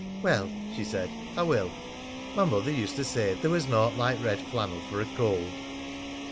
"Well," she said, "I will. My mother used to say there was naught like red flannel for a cold."